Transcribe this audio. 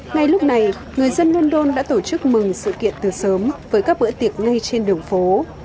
ngay lúc này người dân london đã tổ chức mừng sự kiện từ sớm với các bữa tiệc ngay trên đường phố